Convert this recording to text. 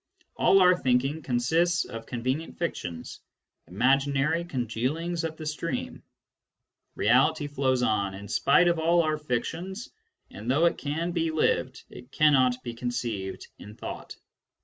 All our thinking consists of convenient fictions, imaginary congealings of the stream : reality flows on in spite of all our fictions, and though it can be lived, it cannot be conceived in thought.